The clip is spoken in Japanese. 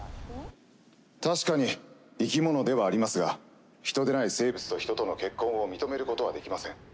確かに生き物ではありますが人でない生物と人との結婚を認めることはできません。